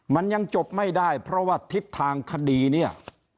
มันยังจบไม่ได้เพราะว่าทิศทางคดีเนี่ย